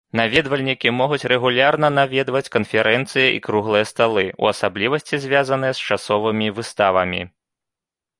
Наведвальнікі могуць рэгулярна наведваць канферэнцыі і круглыя сталы, у асаблівасці звязаныя з часовымі выставамі.